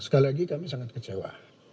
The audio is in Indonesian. sekali lagi kami sangat kecewa